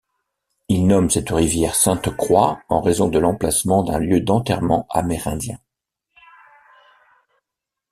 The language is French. Il nomme cette rivière Sainte-Croix en raison de l'emplacement d'un lieu d'enterrement amérindien.